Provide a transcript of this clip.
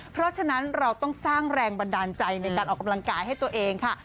เพราะฉะนั้นเราต้องสร้างแรงบันดาลใจในการออกกำลังกายให้ตัวเองค่ะ